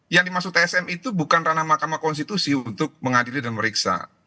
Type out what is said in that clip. yang dimaksud tsm itu bukan ranah mahkamah konstitusi untuk mengadili dan meriksa